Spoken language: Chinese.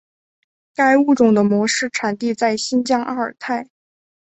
该物种的模式产地在新疆阿尔泰。